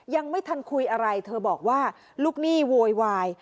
ยังไม่ทันคุยอะไรเธอบอกว่าลูกหนี้โวยวาย